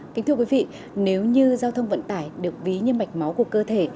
kính thưa quý vị nếu như giao thông vận tải được ví như mạch máu của cơ thể